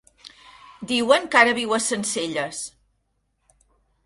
Diuen que ara viu a Sencelles.